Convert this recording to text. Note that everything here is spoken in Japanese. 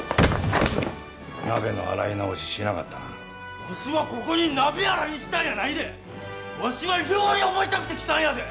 鍋の洗い直ししなかったなわしはここに鍋洗いに来たんやないでッわしは料理を覚えたくて来たんやで！